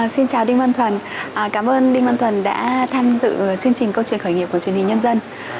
xin chào đinh văn thuần cảm ơn đinh văn thuần đã tham dự chương trình câu chuyện khởi nghiệp của truyền hình nhân dân